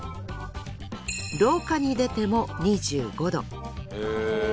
廊下に出ても２５℃。